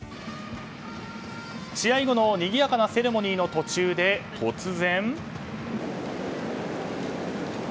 試合後のにぎやかなセレモニーの途中で、突然。